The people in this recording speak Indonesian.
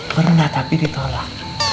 pernah tapi ditolak